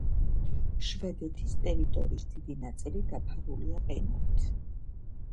შვედეთის ტერიტორიის დიდი ნაწილი დაფარულია ყინულით.